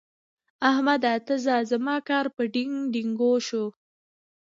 احمده! ته ځه؛ زما کار په ډينګ ډينګو شو.